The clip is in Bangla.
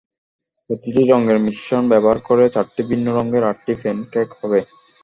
প্রতিটি রঙের মিশ্রণ ব্যবহার করে চারটি ভিন্ন রঙের আটটি প্যান কেক হবে।